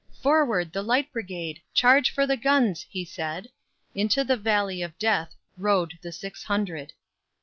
"Forward, the Light Brigade! Charge for the guns!" he said: Into the valley of Death Rode the six hundred.